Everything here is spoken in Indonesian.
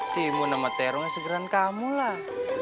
timun sama tero segeran kamu lah